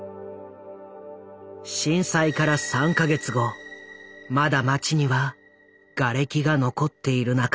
震災から３か月後まだ町にはがれきが残っている中。